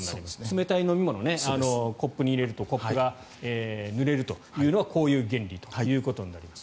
冷たい飲み物、コップに入れるとコップがぬれるというのはこういう原理ということになります。